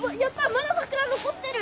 まだ桜残ってる！